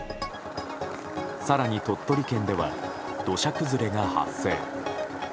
更に鳥取県では土砂崩れが発生。